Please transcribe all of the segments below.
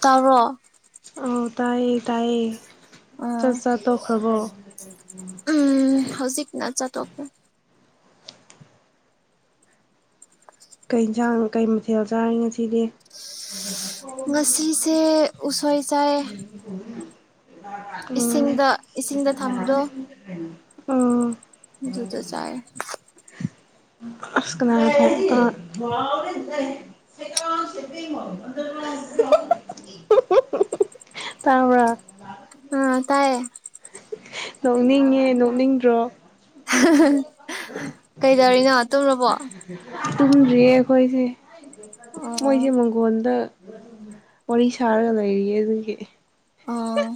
ꯇꯥꯕꯔꯣ ꯑ ꯇꯥꯏꯌꯦ ꯇꯥꯏꯌꯦ ꯑꯣ ꯆꯥꯛ ꯆꯥ ꯇꯣꯛꯈ꯭ꯔꯕꯣ ꯎꯝ ꯍꯧꯖꯤꯛ ꯅꯖꯠꯒ ꯀꯩ ꯌꯦꯟꯁꯥꯡ ꯀꯩ ꯃꯊꯦꯜ ꯆꯥꯔꯦ ꯉꯁꯤꯗꯤ ꯉꯁꯤꯁꯦ ꯎꯁꯣꯏ ꯆꯥꯏꯌꯦ ꯑꯝ ꯏꯁꯤꯡꯗ ꯊꯝꯕꯗꯣ ꯑꯝ ꯑꯗꯨꯗ ꯆꯥꯏꯌꯦ [unintelligible] [unintelligible] ꯇꯥꯕꯔꯥ ꯑ ꯇꯥꯏꯌꯦ ꯅꯣꯛꯅꯤꯡꯉꯦ ꯅꯣꯛꯅꯤꯡꯗ꯭ꯔꯣ ꯍꯍꯍꯍ ꯀꯩꯗꯧꯔꯤꯅꯣ ꯇꯨꯝꯃꯕꯣ ꯇꯨꯝꯗ꯭ꯔꯤꯌꯦ ꯑꯩꯈꯣꯏꯁꯦ ꯑꯣ ꯃꯣꯏꯁꯦ ꯃꯪꯒ ꯍꯪꯒꯣꯟꯗ ꯋꯥꯔꯤ ꯁꯥꯔꯒ ꯂꯩꯔꯤꯌꯦ ꯑꯗꯨꯒꯤ ꯑꯥ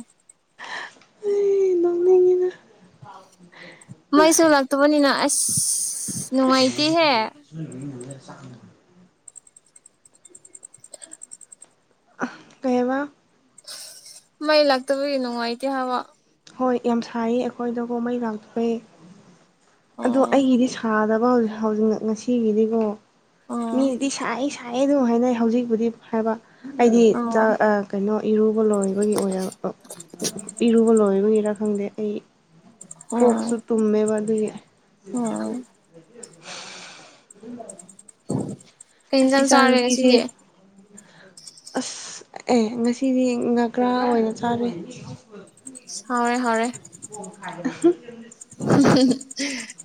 ꯑꯩ ꯅꯣꯛꯅꯤꯡꯉꯤꯗ ꯃꯣꯁꯨꯨ ꯂꯥꯛꯇꯕꯅꯤꯅ ꯅꯨꯡꯉꯥꯏꯇꯦꯍꯦ [inaudible] ꯑ ꯀꯩꯕ ꯃꯩ ꯂꯥꯛꯇꯕꯒꯤ ꯅꯨꯡꯉꯥꯏꯇꯦ ꯍꯥꯏꯕ ꯍꯣꯏ ꯌꯥꯝ ꯁꯔꯤ ꯑꯩꯈꯣꯏꯗ ꯀꯣꯍꯩ ꯂꯥꯛꯇꯕꯩ ꯑꯗꯣ ꯑꯣ ꯑꯩꯒꯤꯗꯤ ꯁꯥꯗꯕ ꯍꯧꯖꯤꯛ ꯉꯁꯤꯒꯤꯗꯤꯀꯣ ꯑꯣ ꯃꯤꯗꯤ ꯁꯥꯏ ꯁꯥꯏꯌꯦ ꯑꯗꯨꯝ ꯍꯥꯏꯅꯩ ꯍꯧꯖꯤꯛꯄꯨꯗꯤ ꯍꯥꯏꯕ ꯑꯩꯗꯤ ꯑꯣ ꯀꯩꯅꯣ ꯏꯔꯨꯕ ꯂꯣꯏꯕꯒꯤ ꯑꯣꯏꯔ ꯏꯔꯨꯕ ꯂꯣꯏꯕꯒꯤꯔ ꯈꯪꯗꯦ ꯑꯩ ꯑꯣ ꯀꯣꯛꯁꯨ ꯇꯨꯝꯃꯦꯕꯑꯗꯨꯒꯤ [unintelligible] [unintelligible] [unintelligible] ꯑꯁ ꯀꯩꯍꯦꯡꯖꯩꯡ ꯆꯥꯔꯦ ꯉ ꯏꯆꯥꯅꯨꯄꯤꯁꯦ ꯁꯤꯗꯤ ꯑꯁ ꯑꯦ ꯉꯁꯤꯗꯤ ꯉꯥꯒ꯭ꯔꯥ ꯑꯣꯏꯅ ꯆꯥꯔꯦ ꯍꯥꯎꯔꯦ ꯍꯥꯎꯔꯦ [unintelligible] [unintelligible]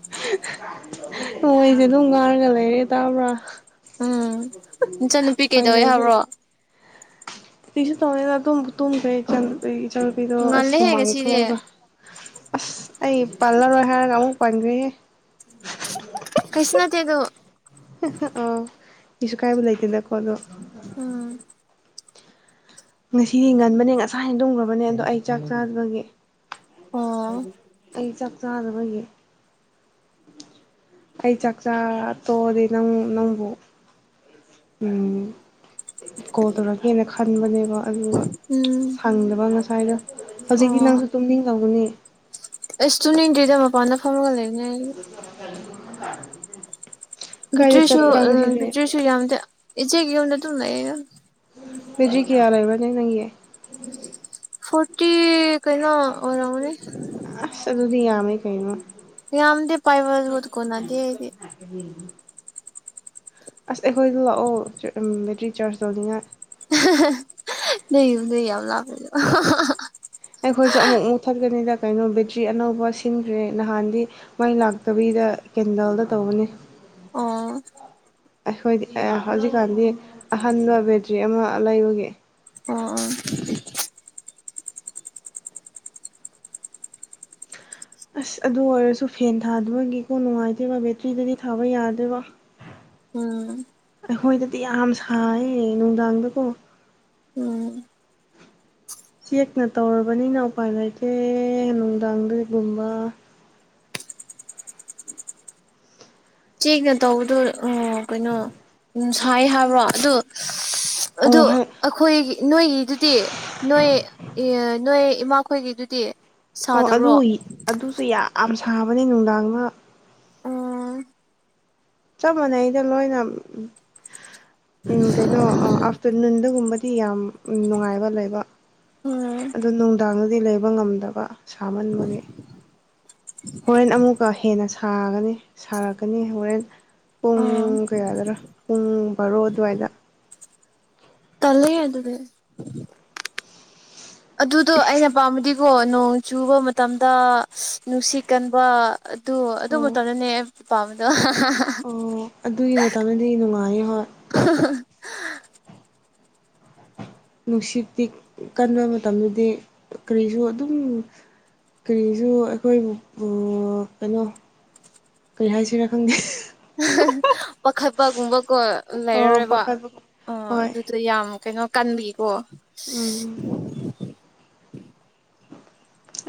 ꯃꯣꯏꯁꯦ ꯑꯗꯨꯝ ꯉꯔꯒ ꯂꯩꯔꯦ ꯇꯥꯕ꯭ꯔꯥ ꯎꯝ ꯅꯆꯟꯅꯨꯄꯤ ꯎꯄꯥꯏ ꯀꯩꯗꯧꯋꯦ ꯅꯦꯇꯦ ꯍꯥꯏꯕ꯭ꯔꯣ ꯑꯗꯨꯤꯁꯨ ꯇꯧꯅꯤꯅ ꯇꯨꯝꯗ꯭ꯔꯦ ꯏꯆ ꯏꯆꯜꯅꯨꯄꯤꯗꯣ ꯑꯁ ꯉꯜꯂꯦꯍꯦ ꯉꯁꯤꯗꯤ ꯁꯨꯃꯥꯡꯊꯣꯛꯑꯒ ꯑꯁ ꯑꯩ ꯄꯜꯂꯔꯣꯏ ꯍꯥꯏꯔꯒ ꯑꯃꯨꯛ ꯄꯥꯟꯈꯦꯍꯦ ꯀ꯭ꯁꯅ ꯇꯦ ꯑꯗꯨ ꯑ ꯀꯁꯨ ꯀꯥꯏꯕ ꯂꯩꯇꯦꯅꯀꯣ ꯑꯗꯩ ꯎꯝ ꯉꯁꯤꯗꯤ ꯍꯡꯒꯟꯕꯅꯦ ꯉꯁꯥ ꯍꯦꯟꯗꯝꯈ꯭ꯔꯕꯅꯦ ꯑꯗꯣ ꯑꯩ ꯆꯥꯛ ꯆꯥꯖꯕꯒꯤ ꯑꯣ ꯑꯩ ꯆꯥꯛ ꯆꯥꯗꯕꯣꯏꯒꯤ ꯑꯩ ꯆꯥꯛꯆꯥꯥ ꯇꯣꯛꯑꯗꯤ ꯅꯪ ꯅꯪꯕꯨ ꯀꯣꯜ ꯇꯧꯔꯛꯀꯦꯅ ꯈꯟꯕꯅꯦꯕ ꯑꯗꯨꯒ ꯎꯝ ꯐꯪꯗꯕ ꯉꯁꯥꯏꯗꯣ ꯍꯧꯖꯤꯛꯇꯤ ꯅꯪꯁꯨ ꯇꯨꯝꯅꯤꯡ ꯀꯧꯅꯤ ꯑꯁ ꯇꯨ ꯗꯔꯤꯗ ꯃꯄꯥꯟꯗ ꯐꯝꯃꯒ ꯂꯩꯅꯦ ꯑꯩ [unintelligible] ꯀꯥꯏꯗ ꯕꯤꯇ꯭ꯔꯤꯁꯨ ꯆꯠꯄ꯭ꯔꯥ ꯉꯁꯤꯗꯤ ꯕꯤꯇꯔꯤꯁꯨ ꯌꯥꯝꯗ ꯏꯆꯦꯒꯤ ꯅ ꯇꯝ ꯂꯩꯌꯦ ꯐꯖꯤ ꯀꯌꯥꯂꯦꯕꯅꯦ ꯅꯪꯒꯤ ꯐꯣꯔꯇꯤ ꯀꯩꯅꯩꯅ ꯑꯣꯏꯔꯅꯤ ꯑꯁ ꯑꯗꯨꯗꯤ ꯌꯥꯝꯃꯦ ꯀꯩꯅꯣ ꯌꯥꯝꯗꯤ ꯄꯥꯏꯕꯕꯠ ꯀꯣꯅꯗꯤꯗꯤ [unintelligible] ꯑꯁ ꯑꯩꯈꯣꯏꯗ ꯂꯥꯛꯑꯣ ꯕꯦꯇ꯭ꯔꯤ ꯆꯥꯔꯖ ꯇꯧꯅꯤꯡꯉꯥꯏ [unintelligible] [unintelligible] ꯑꯩꯈꯣꯏꯁꯨ ꯑꯃꯨꯛ ꯃꯨꯛꯊꯠꯀꯅꯤꯗ ꯀꯩꯅꯣ ꯕꯦꯇ꯭ꯔꯤ ꯑꯅꯧꯕ ꯁꯤꯟꯈ꯭ꯔꯦ ꯅꯍꯥꯟꯗꯤ ꯃꯥꯏ ꯂꯥꯛꯇꯕꯤꯗ ꯀꯦꯟꯗꯜꯗ ꯇꯧꯕꯅꯤ ꯑꯣ ꯑꯩꯈꯣꯏꯗꯤ ꯍꯧꯖꯤꯛꯀꯥꯟꯗꯤ ꯑꯍꯟꯕ ꯕꯦꯇ꯭ꯔꯤ ꯑꯃ ꯂꯩꯕꯒꯤ ꯑꯣ ꯑꯣ ꯑꯁ ꯑꯗꯨ ꯑꯣꯏꯔꯁꯨ ꯐꯦꯟ ꯊꯥꯗꯕꯒꯤꯀꯣ ꯅꯨꯡꯉꯥꯏꯇꯦꯕ ꯕꯦꯇ꯭ꯔꯤꯗꯗꯤ ꯊꯥꯕ ꯌꯥꯗꯣꯏꯕ ꯎꯝ ꯑꯩꯈꯣꯏꯗꯗꯤ ꯌꯥꯝ ꯁꯥꯏꯌꯦ ꯅꯨꯡꯗꯥꯡꯗꯀꯣ ꯎꯝ ꯆꯦꯛꯅ ꯇꯧꯔꯕꯅꯤꯅ ꯎꯄꯥꯏ ꯂꯩꯇꯦ ꯅꯨꯡꯗꯥꯡꯗꯒꯨꯝꯕ ꯆꯦꯒ ꯇꯧꯕꯗꯣ ꯎ ꯀꯩꯅꯣ ꯎ ꯁꯥꯏ ꯍꯥꯏꯕ꯭ꯔꯣ ꯑꯗꯨ ꯑꯣ ꯑꯩꯈꯣꯏ ꯅꯣꯏꯒꯤꯗꯨꯗꯤ ꯅꯣꯏ ꯅꯣꯏ ꯏꯃꯥꯈꯣꯏꯒꯤꯗꯨꯗꯤ ꯑꯣ ꯑꯗꯨ ꯁꯥꯗꯕ꯭ꯔꯣ ꯑꯗꯨꯁꯨ ꯌꯥꯝ ꯁꯥꯕꯅꯦ ꯅꯨꯡꯗꯥꯡꯗ ꯎꯝ ꯆꯞ ꯃꯥꯟꯅꯩꯗ ꯂꯣꯏꯅ ꯎꯝ ꯀꯩꯅꯣ ꯅꯨꯡꯗꯒꯨꯝꯕꯗꯤ ꯌꯥꯝ ꯅꯨꯡꯉꯥꯏꯕ ꯂꯩꯕ ꯎꯝ ꯑꯗꯨ ꯅꯨꯡꯗꯥꯡꯗꯗꯤ ꯂꯩꯕ ꯉꯝꯗꯕ ꯁꯥꯃꯟꯕꯒꯤ ꯍꯣꯔꯦꯟ ꯑꯃꯨꯛꯀ ꯍꯦꯟꯅ ꯁꯥꯒꯅꯤ ꯁꯥꯔꯛꯀꯅꯤ ꯍꯣꯔꯦꯟ ꯄꯨꯡ ꯎꯝ ꯀꯌꯥꯗꯔꯥ ꯄꯨꯡ ꯕꯥꯔꯣ ꯑꯗꯨꯋꯥꯏꯗ ꯇꯟꯂꯦ ꯑꯗꯨꯗꯤ ꯑꯗꯨꯗꯣ ꯑꯩꯅ ꯄꯥꯃꯕꯗꯤꯀꯣ ꯅꯣꯡ ꯆꯨꯕ ꯃꯇꯝꯗ ꯅꯨꯡꯁꯤꯠ ꯀꯟꯕ ꯑꯗꯨ ꯑꯗꯨ ꯑꯣ ꯃꯇꯝꯗꯅꯦ ꯑꯩ ꯄꯥꯝꯕꯗꯣ [unintelligible] ꯑꯣ ꯑꯗꯨꯒꯤ ꯃꯇꯝꯗꯗꯤ ꯅꯨꯡꯉꯥꯏꯌꯦ ꯍꯣꯏ [unintelligible] ꯅꯨꯡꯁꯤꯠꯇꯤ ꯀꯟꯕ ꯃꯇꯝꯗꯗꯤ ꯀꯔꯤꯁꯨ ꯑꯗꯨꯝ ꯀꯔꯤꯁꯨ ꯑꯩꯈꯣꯏꯕꯨ ꯑ ꯀꯩꯅꯣ ꯀꯔꯤ ꯍꯥꯏꯁꯤꯔꯥ ꯈꯪꯗꯦ [unintelligible] ꯄꯥꯈꯠꯄꯒꯨꯝꯕꯀꯣ ꯑꯣ ꯂꯩꯔꯔꯣꯏꯕ ꯄꯥꯈꯠꯄ ꯑꯣ꯫ ꯍꯣꯏ ꯑꯗꯨꯗꯣ ꯌꯥꯝ ꯀꯩꯅꯣ ꯀꯟꯕꯒꯤꯀꯣ ꯎꯝ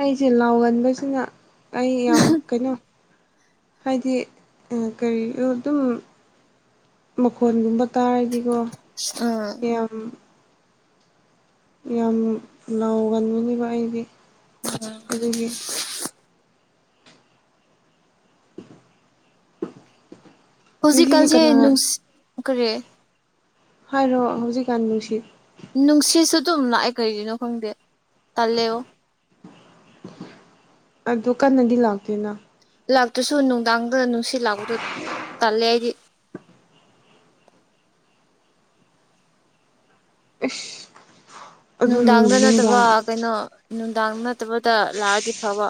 ꯑꯩꯁꯦ ꯂꯥꯎꯒꯟꯕꯁꯤꯅ ꯑꯩ ꯌꯥꯝ ꯀꯩꯅꯣ ꯍꯥꯏꯗꯤ ꯀꯔꯤꯔꯣ ꯑꯗꯨꯝ ꯃꯈꯣꯟꯒꯨꯝꯕ ꯇꯥꯔꯗꯤꯀꯣ [unintelligible] ꯑꯥ ꯌꯥꯝ ꯌꯥꯝ ꯂꯥꯎꯒꯟꯕꯅꯦꯕ ꯑꯩꯗꯤ ꯑꯗꯨꯒꯤ [inaudible] ꯉꯁꯤꯗꯤ ꯍꯧꯖꯤꯛꯀꯥꯟꯁꯦ ꯀꯅꯥꯅ ꯅꯨꯡꯁꯤ ꯀꯔꯤ ꯍꯥꯏꯔꯣ ꯍꯧꯖꯤꯛꯀꯥꯟ ꯅꯨꯡꯁꯤꯠ ꯅꯨꯡꯁꯤꯠꯁꯨ ꯑꯗꯨꯝ ꯂꯥꯛꯑꯦ ꯀꯔꯤꯒꯤꯅꯣ ꯈꯪꯗꯦ ꯇꯜꯂꯦꯑꯣ ꯑꯗꯨ ꯀꯟꯅꯗꯤ ꯂꯥꯛꯇꯦꯅ ꯂꯥꯛꯇ꯭ꯔꯁꯨ ꯅꯨꯡꯗꯥꯡꯗ ꯅꯨꯡꯁꯤꯠ ꯂꯥꯛꯄꯗꯣ ꯇꯜꯂꯦ ꯑꯩꯗꯤ [unintelligible] ꯅꯨꯡꯗꯥꯡꯗ ꯅꯠꯇꯕ ꯅꯨꯡꯗꯥꯡ ꯀꯩꯅꯣ ꯅꯨꯡꯗꯥꯡ ꯅꯠꯇꯕꯗ ꯂꯥꯛꯑꯗꯤ ꯐꯕ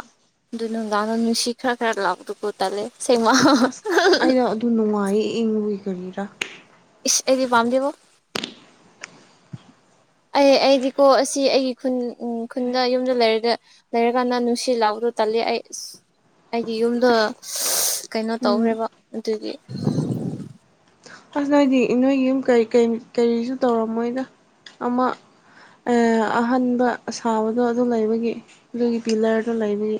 ꯑꯗꯨꯅ ꯅꯨꯡꯗꯥꯡꯗ ꯅꯨꯡꯁꯤꯠ ꯈ꯭ꯔ ꯈꯔ ꯂꯥꯛꯄꯗꯨ ꯇꯟꯂꯦ ꯑꯁꯦꯡꯕ ꯑꯁ ꯑꯩꯗꯣ ꯑꯗꯨ ꯅꯨꯡꯉꯥꯏꯌꯦ ꯏꯡꯕꯗꯣ ꯀꯔꯤꯔꯥ ꯏꯁ ꯑꯩꯗꯤ ꯄꯥꯝꯗꯦꯕꯣ [inaudible] ꯑꯩ ꯑꯩꯗꯤꯀꯣ ꯑꯁꯤ ꯑꯩꯒꯤ ꯈꯨꯟ ꯈꯨꯟꯗ ꯌꯨꯝꯗ ꯂꯩꯔꯒ ꯂꯩꯔꯀꯥꯟꯗ ꯅꯨꯡꯁꯤꯠ ꯂꯥꯛꯄꯗꯨ ꯇꯟꯂꯦ ꯑꯩ ꯑꯩꯒꯤ ꯌꯨꯝꯗ ꯀꯩꯅꯣ ꯎꯝ ꯇꯧꯈ꯭ꯔꯦꯕ ꯑꯗꯨꯒꯤ ꯑꯁ ꯅꯣꯏꯗꯤ ꯏ ꯅꯣꯏꯒꯤ ꯌꯨꯝ ꯀꯔꯤꯁꯨ ꯇꯧꯔꯝꯃꯣꯏꯗ ꯑꯃ ꯑꯍꯟꯕ ꯁꯥꯕꯗꯣ ꯑꯗꯨ ꯂꯩꯕꯒꯤ ꯑꯗꯨꯒꯤ ꯄꯤꯂꯔ ꯗꯣ ꯂꯩꯕ꯭ꯒꯤ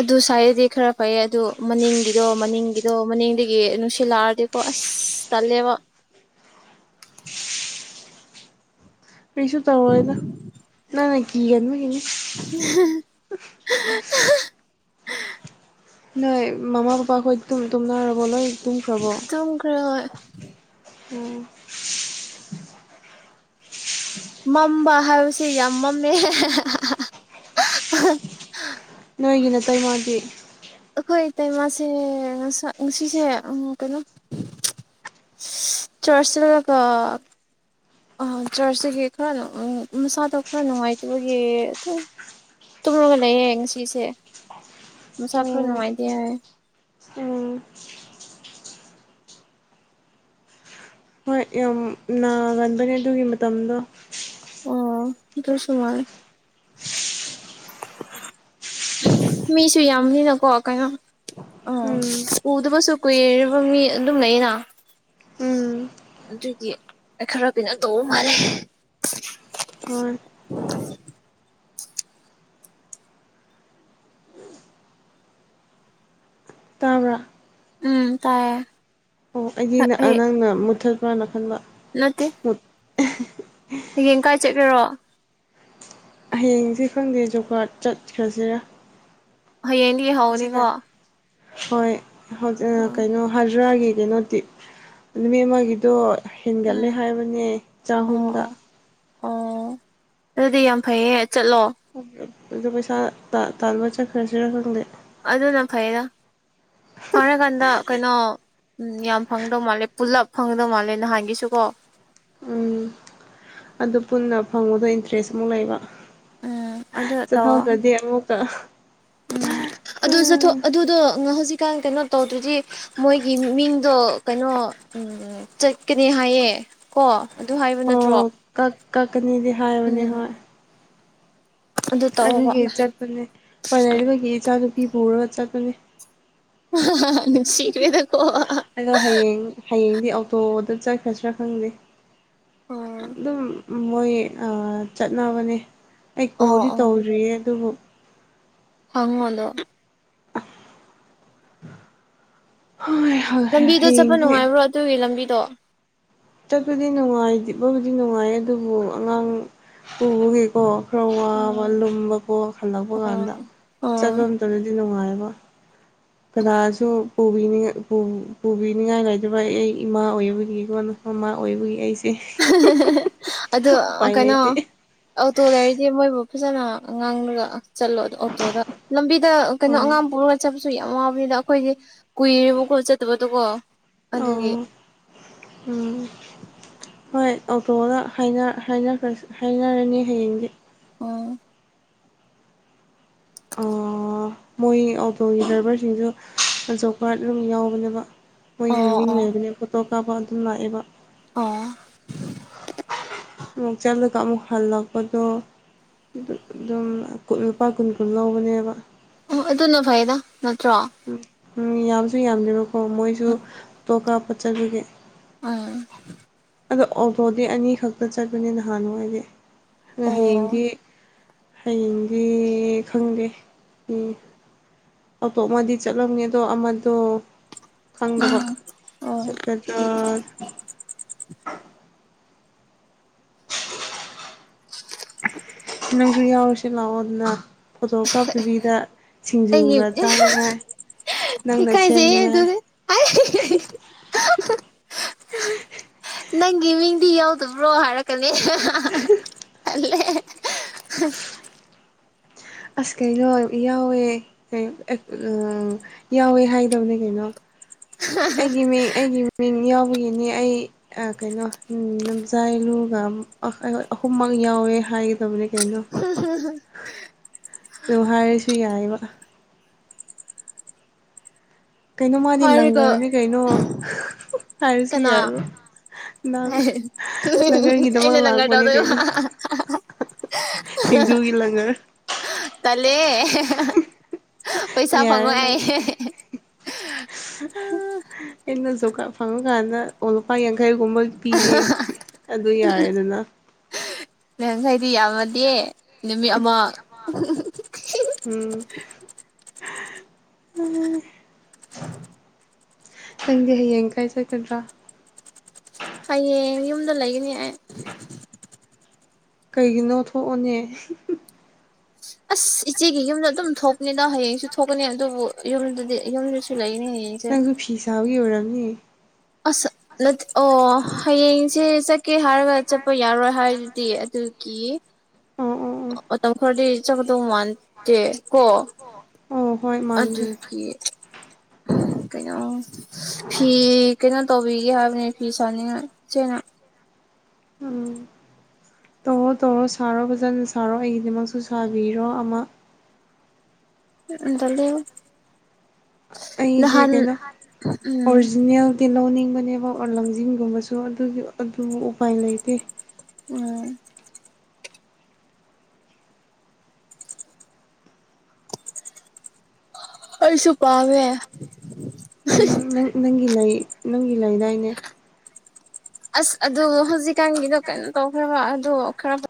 ꯑꯗꯨ ꯁ꯭ꯋꯥꯏꯗꯗꯤ ꯈꯔ ꯐꯩꯌꯦ ꯑꯗꯨ ꯃꯅꯤꯡꯒꯤꯗꯣ ꯃꯅꯤꯡꯒꯤꯗꯣ ꯃꯅꯤꯡꯗꯒꯤ ꯅꯨꯡꯁꯤꯜꯂꯛꯑꯗꯤꯀꯣ ꯑꯁ ꯇꯜꯂꯦꯕ ꯀꯩꯁꯨ ꯇꯧꯔꯣꯏꯗ ꯅꯪ ꯅ ꯀꯤꯒꯟꯕꯒꯤꯅꯤ [unintelligible] [unintelligible] ꯅꯣꯏ ꯃꯃꯥ ꯄꯄꯥ ꯍꯣꯏ ꯇꯨꯝꯅꯔꯕꯣ ꯂꯣꯏ ꯇꯨꯝꯈ꯭ꯔꯕꯣ ꯇꯨꯝꯈ꯭ꯔꯦ ꯍꯣꯏ ꯎꯝ ꯃꯝꯕ ꯍꯥꯏꯕꯁꯦ ꯌꯥꯝ ꯃꯝꯃꯦ ꯅꯣꯏꯒꯤ ꯅꯠꯇꯇꯩ ꯃꯥꯒꯤ ꯑꯩꯈꯣꯏ ꯏꯇꯩꯃꯥꯁꯦ ꯉꯅꯨꯡꯁꯤꯁꯦ ꯎ ꯀꯩꯅꯣ ꯆꯔꯆ ꯂꯒ ꯑꯥ ꯆꯥꯔꯆꯇꯒꯤ ꯈꯔ ꯃꯁꯥꯗꯣ ꯈꯔ ꯅꯨꯡꯉꯥꯏꯇꯕꯒꯤ ꯇꯨꯔꯒ ꯂꯩꯌꯦꯡ ꯉꯁꯤꯁꯦ ꯃꯅꯨꯡꯁꯥ ꯈꯔ ꯎꯝ ꯅꯨꯡꯉꯥꯏꯇꯦ ꯍꯥꯏ ꯎꯝ ꯍꯣꯏ ꯌꯥꯝ ꯅꯥꯒꯟꯕꯅꯦ ꯑꯗꯨꯒꯤ ꯃꯇꯝꯗꯣ ꯑꯣ ꯏꯇ ꯁꯃꯥꯏ [inaudible] ꯃꯤꯁꯨ ꯌꯥꯝꯅꯤ ꯅꯀꯣ ꯀꯥꯏꯩꯅꯣ ꯎꯝ ꯎꯗꯕꯁꯨ ꯀꯨꯏꯔꯤꯕ ꯃꯤ ꯑꯗꯨꯝ ꯂꯩꯅ ꯎꯝ ꯑꯗꯨꯗꯤ ꯈꯔ ꯀꯩꯅꯣ ꯇ ꯃꯥꯜꯂꯦ ꯍꯣꯏ [unintelligible] ꯇꯥꯕ꯭ꯔꯥ ꯎꯝ ꯇꯥꯏꯌꯦ ꯑꯣ ꯑꯩꯗꯤ ꯅ ꯑꯩ ꯅꯪꯅ ꯃꯨꯠꯊꯠꯄ꯭ꯔꯥꯅ ꯈꯟꯕ ꯅꯠꯇꯦ ꯃꯨꯠ ꯍꯌꯦꯡ ꯀꯥꯏ ꯆꯠꯈꯦꯔꯣ ꯍꯌꯦꯡꯁꯤ ꯈꯪꯗꯦ ꯖꯨꯒꯥꯥꯔꯠ ꯆꯠꯈ꯭ꯔꯁꯤꯔꯥ ꯍꯌꯦꯡꯗꯒꯤ ꯍꯧꯧꯅꯤꯀꯣ ꯍꯧꯖꯤꯛꯀꯥꯟ ꯍꯣꯏ ꯎꯝ ꯀꯩꯅꯣ ꯍꯖꯔꯥꯒꯤ ꯀꯩꯅꯣꯗꯤ ꯅꯨꯃꯤꯠ ꯑꯃꯒꯤꯗꯣ ꯍꯦꯟꯒꯠꯂꯦ ꯎꯝ ꯍꯥꯏꯕꯅꯦ ꯑꯣ ꯆꯍꯨꯝꯗ ꯑꯣ ꯑꯣ ꯑꯗꯨꯗꯤ ꯌꯥꯝ ꯐꯩꯌꯦ ꯆꯠꯂꯣ ꯑꯗꯨꯗꯣ ꯄꯩꯁꯥ ꯇꯥꯥꯟꯕ ꯆꯠꯈ꯭ꯔꯁꯤꯔ ꯈꯪꯗꯦ ꯑꯗꯨꯅ ꯐꯩꯌꯦꯗ ꯐꯔꯀꯥꯟꯗ ꯀꯩꯅꯣ ꯎꯝ ꯌꯥꯝ ꯐꯪꯗꯧ ꯃꯥꯜꯂꯦ ꯄꯨꯜꯂꯞ ꯐꯪꯗꯧ ꯃꯥꯜꯂꯦ ꯅꯍꯥꯟꯒꯤꯁꯨ ꯀꯣ ꯎꯝ ꯑꯗꯨ ꯄꯨꯟꯅ ꯐꯪꯕꯗ ꯏꯟꯇꯔꯦꯁ ꯑꯃꯨꯛ ꯂꯩꯕ ꯑꯗꯨꯗ ꯇꯣ ꯆꯠꯊꯣꯛꯇ꯭ꯔꯗꯤ ꯑꯃꯨꯛꯀ ꯎꯝ ꯑꯗꯨ ꯆꯠꯊꯣꯛ ꯑꯗꯨꯗꯣ ꯍꯧꯖꯤꯛꯀꯥꯟ ꯀꯩꯅꯣ ꯇꯧꯗ꯭ꯔꯗꯤ ꯃꯣꯏꯒꯤ ꯃꯤꯡꯗꯣ ꯀꯩꯅꯣ ꯎꯝ ꯆꯠꯀꯅꯤ ꯍꯥꯏꯌꯦ ꯀꯣ ꯑꯗꯨ ꯍꯥꯏꯕ ꯅꯠꯇꯦ ꯑꯣ ꯀꯛ ꯀꯛꯅꯤꯗꯤ ꯍꯥꯏꯌꯣꯅꯦ ꯎꯝ ꯍꯣꯏ ꯑꯗꯨ ꯇꯧꯑꯣꯕ ꯑꯗꯨꯒꯤ ꯆꯠꯄꯅꯦ ꯄꯥꯏꯅꯒꯤ ꯏꯆꯥ ꯅꯨꯄꯤ ꯄꯨꯔꯒ ꯆꯠꯄꯅꯦ ꯁꯤꯈꯃꯦꯗꯣ ꯑꯗꯣ ꯍꯌꯦꯡ ꯍꯌꯦꯡꯗꯤ ꯑꯣꯇꯣꯗ ꯆꯠꯈ꯭ꯔꯁꯤꯔꯥ ꯈꯪꯗꯦ ꯑꯣ ꯑꯗꯨꯝ ꯃꯣꯏ ꯆꯠꯅꯕꯅꯦ ꯑꯩ ꯀꯣꯜꯗꯤ ꯑꯣ ꯇꯧꯗ꯭ꯔꯤꯌꯦ ꯑꯗꯨꯕꯨ ꯍꯉꯉꯗꯣ ꯍꯣꯏ ꯂꯝꯕꯤꯗꯣ ꯆꯠꯄ ꯍꯌꯦꯡꯗꯤ ꯅꯨꯡꯉꯥꯏꯕ꯭ꯔꯣ ꯑꯗꯨꯒꯤ ꯂꯝꯕꯤꯗꯣ ꯆꯠꯄꯗꯤ ꯅꯨꯡꯉꯥꯏꯕꯕꯨꯗꯤ ꯅꯨꯡꯉꯥꯏ ꯑꯗꯨꯕꯨ ꯑꯉꯥꯡ ꯄꯨꯕꯒꯤꯀꯣ ꯈꯔ ꯋꯥꯕ ꯎꯝ ꯂꯨꯝꯕꯀꯣ ꯈꯜꯂꯛꯄ ꯑꯣ ꯀꯥꯟꯗ ꯑꯣ ꯆꯠꯂꯣꯝꯇꯅꯗꯤ ꯅꯨꯡꯉꯥꯏꯕ ꯀꯗꯥꯁꯨ ꯄꯨꯕꯤꯅꯤꯡꯉꯥꯏ ꯂꯩꯇꯕ ꯑꯩ ꯑꯩ ꯏꯃꯥ ꯑꯣꯏꯕꯒꯤ ꯀꯣꯟꯅ ꯃꯃꯥ ꯑꯣꯏꯕꯒꯤ ꯑꯩꯁꯦ ꯑꯗꯨꯗꯣ ꯎꯄꯥꯏ ꯀꯩꯅꯣ ꯂꯩꯇꯦ ꯑꯣꯇꯣꯗꯔꯗꯤ ꯃꯣꯏꯕꯨ ꯐꯖꯅ ꯉꯥꯡꯂꯒ ꯆꯠꯂꯣ ꯑꯣꯇꯣꯗ ꯂꯝꯕꯤꯗ ꯀꯩꯅꯣ ꯑꯣ ꯑꯉꯥꯡ ꯄꯨ ꯆꯠꯄꯁꯨ ꯌꯥꯝ ꯋꯥꯕꯅꯤꯅ ꯑꯩꯈꯣꯏꯁ ꯀꯨꯏꯔꯦꯕ ꯈꯣꯠ ꯆꯠꯇꯕꯗꯀꯣ ꯑꯗꯨꯒꯤ ꯑꯣ ꯎꯝ ꯍꯣꯏ ꯑꯣꯇꯣꯗ ꯍꯥꯏꯅꯔꯅꯤ ꯍꯌꯦꯡꯗꯤ ꯎꯝ ꯃꯣꯏ ꯑꯣꯇꯣꯒꯤ ꯗ꯭ꯔꯥꯏꯚꯔꯁꯤꯡꯁꯨ ꯑꯖꯣꯞꯀꯔꯠ ꯑꯗꯨꯝ ꯌꯥꯎꯕꯅꯦꯕ ꯃꯣꯏꯒꯤ ꯑꯣ ꯃꯃꯤꯡ ꯑꯣ ꯂꯩꯕꯅꯦ ꯐꯣꯇꯣ ꯀꯥꯞꯄ ꯑꯗꯨꯝ ꯂꯥꯛꯑꯦꯕ ꯑꯣ ꯑꯃꯨꯛ ꯆꯠꯂꯒ ꯑꯃꯨꯛ ꯍꯜꯂꯛꯄꯗꯣ ꯑꯗꯨꯝ ꯂꯨꯄꯥ ꯀꯨꯟ ꯀꯨꯟ ꯂꯧꯕꯅꯦꯕ ꯑꯣ ꯑꯗꯨꯅ ꯐꯩꯌꯦꯗ ꯅꯠꯇ꯭ꯔꯣ ꯎꯝ ꯎꯝ ꯌꯥꯝꯁꯨ ꯌꯥꯝꯗꯦꯕꯀꯣ ꯃꯣꯏꯁꯨꯇꯣ ꯀꯄꯠꯆꯕꯤꯒꯦ ꯎꯝ ꯑꯗꯣ ꯑꯣꯇꯣꯗꯤ ꯑꯅꯤ ꯈꯛꯇ ꯆꯠꯄꯅꯦ ꯅꯍꯥꯟꯋꯥꯗꯤ ꯑꯗꯣ ꯑꯣ ꯍꯌꯦꯡꯗꯤ ꯍꯌꯦꯡꯗꯤ ꯈꯪꯗꯦ ꯎ ꯑꯇꯣꯞꯃꯗꯤ ꯆꯠꯂꯝꯒꯦ ꯑꯗꯣ ꯑꯃꯗꯣ ꯈꯪꯗꯕ ꯎꯝ ꯑꯣ ꯁꯄꯗ ꯎ [unintelligible] ꯅꯪꯒꯤ ꯌꯥꯎ ꯍꯧꯁ ꯂꯥꯎꯑꯣꯗꯅ ꯐꯣꯇꯣ ꯀꯥꯞꯇꯕꯤꯗ ꯁꯤꯡꯖꯨꯒ ꯆꯥꯅꯤꯡꯉꯥꯏ ꯊ ꯅꯪꯅ ꯀꯥꯏꯁꯦ ꯑꯗꯨ ꯁꯦꯝꯅꯤꯡꯉꯥꯏ ꯍꯥꯏ ꯅꯪꯒꯤ ꯃꯤꯡꯗꯤ ꯌꯥꯎꯗꯕ꯭ꯔꯣ ꯍꯥꯏꯔꯛꯀꯅꯦ ꯑꯂꯦ ꯑꯁ ꯀꯩꯅꯣ ꯌꯥꯎꯋꯦ ꯌꯥꯎꯋꯦ ꯍꯥꯏꯗꯕꯅꯦ ꯀꯩꯅꯣ ꯑꯩꯒꯤ ꯃꯤ ꯑꯩꯒꯤ ꯃꯤꯡ ꯌꯥꯎꯕꯒꯤꯅꯤ ꯑꯩ ꯀꯩꯅꯣ ꯅꯝꯖꯥꯏꯂꯨꯒ ꯑꯍꯨꯝꯃꯛ ꯌꯥꯎꯋꯦ ꯍꯥꯏꯒꯗꯕꯅꯤ ꯀꯩꯅꯣ ꯑꯗꯨ ꯍꯥꯏꯔꯁꯨ ꯌꯥꯏꯑꯕ ꯀꯩꯅꯣ ꯃꯥꯗꯤ ꯍꯥꯏꯔꯒ ꯂꯪꯒꯔꯅꯦ ꯀꯩꯅꯣ ꯍꯥꯏꯔꯁꯨ ꯀꯅꯥ ꯌꯥꯏꯕ ꯅꯪꯒꯔꯒꯤꯗꯃꯛ ꯑꯩꯅ ꯂꯪꯒꯔ ꯂꯥꯛꯄꯅꯦ ꯀꯩꯅꯣ ꯇꯧꯗꯣꯏꯕ ꯁꯤꯁꯤꯡꯖꯨꯒꯂꯒ ꯇꯂꯦ ꯌꯥꯔꯦꯅ ꯑꯩꯅꯁꯨ ꯐꯪꯉꯀꯥꯟꯗ ꯑꯣ ꯂꯨꯄꯥ ꯌꯥꯡꯈꯩꯒꯨꯝꯕ ꯄꯤꯌꯦ ꯑꯗꯨ ꯌꯥꯔꯦꯗꯅ ꯅꯍꯥꯡꯈꯩꯗꯤ ꯌꯥꯝꯃꯗꯦ ꯅꯨꯃꯤꯠ ꯑꯃ ꯎꯝ ꯑ ꯅꯪꯗꯤ ꯍꯌꯦꯡ ꯀꯥꯏ ꯆꯒꯗ꯭ꯔꯥ ꯍꯌꯦꯡ ꯌꯨꯝꯗ ꯂꯩꯒꯅꯤ ꯑꯩ ꯀꯩꯒꯤꯅꯣ ꯊꯣꯛꯑꯅꯦ ꯑꯁ ꯏꯆꯦꯒꯤ ꯌꯨꯝꯗ ꯑꯗꯨꯝ ꯊꯣꯛꯀꯅꯤꯗ ꯍꯌꯦꯡꯁꯨ ꯊꯣꯛꯀꯅꯤ ꯑꯗꯨꯕꯨ ꯌꯨꯝꯗꯗꯤ ꯌꯨꯝꯗꯁꯨ ꯂꯩꯅꯤ ꯅꯪꯁꯨ ꯐꯤ ꯁꯥꯕꯒꯤ ꯑꯣꯏꯔꯕꯝꯅꯦ ꯑꯁ ꯅ ꯑꯣ ꯍꯌꯦꯡꯁꯦ ꯆꯠꯀꯦ ꯍꯥꯏꯔꯒ ꯆꯠꯄ ꯌꯥꯔꯣꯏ ꯍꯥꯏꯗꯨꯗꯤ ꯑꯗꯨ ꯀ ꯑꯣ ꯑꯣ ꯑꯣ ꯃꯇꯝ ꯈꯔꯗꯤ ꯆꯠꯀꯗꯧ ꯃꯥꯟꯗꯦ ꯀꯣ ꯑꯣ ꯍꯣꯏ ꯃꯥꯟꯗꯦ ꯑꯗꯨꯒꯤ ꯀꯩꯅꯣ ꯐꯤ ꯀꯩꯅꯣ ꯇꯧꯕꯤꯒꯦ ꯍꯥꯏꯕꯅꯤ ꯐꯤ ꯁꯥꯅꯤꯡꯉꯥꯏ ꯏꯆꯦꯅ ꯎꯝ ꯇꯧꯔꯣ ꯇꯧꯔꯣ ꯁꯥꯔꯣ ꯐꯖꯅ ꯁꯥꯔꯣ ꯑꯩꯒꯤꯗꯃꯛꯁꯨ ꯁꯥꯕꯤꯔꯣ ꯑꯃ ꯗ ꯂꯩꯦ ꯑꯩꯁꯦ ꯀꯩꯅꯣ ꯎꯝ ꯑꯣꯔꯤꯖꯤꯅꯦꯜ ꯇꯤ ꯂꯧꯅꯤꯡꯕꯅꯦꯕ ꯑꯣꯔ ꯂꯪꯖꯤꯡꯒꯨꯝꯕꯁꯨ ꯑꯗꯨꯒꯤ ꯑꯗꯨ ꯎꯄꯥꯏ ꯂꯩꯇꯦ ꯎꯝ ꯀꯩꯁꯨ ꯄꯥꯉꯦ ꯎꯝ ꯅꯪ ꯅꯪꯒꯤ ꯂꯩ ꯅꯪꯒꯤ ꯂꯩꯗꯏꯅꯦ ꯑꯁ ꯑꯗꯨ ꯍꯧꯖꯤꯛꯀꯥꯟꯒꯤꯗꯣ ꯀꯩꯅꯣ ꯇꯧꯈ꯭ꯔꯕ ꯑꯗꯣ ꯈꯔ